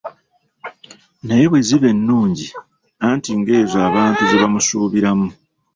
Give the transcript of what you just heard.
Naye bwe ziba ennungi, anti ng'ezo abantu bonna ze bamusuubiramu.